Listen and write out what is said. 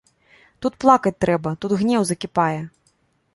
Тут плакаць трэба, тут гнеў закіпае.